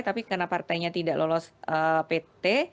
tapi karena partainya tidak lolos pt